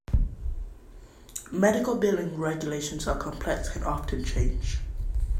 Medical billing regulations are complex and often change.